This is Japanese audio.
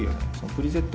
プリセット